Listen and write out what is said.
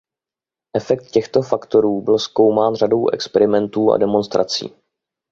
Efekt těchto faktorů byl zkoumán řadou experimentů a demonstrací.